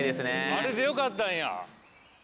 あれでよかったんや。